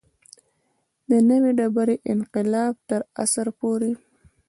د نوې ډبرې انقلاب تر عصر پورې.